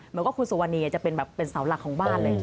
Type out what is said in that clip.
เหมือนกับคุณสุวรรณีจะเป็นแบบเป็นเสาหลักของบ้านเลย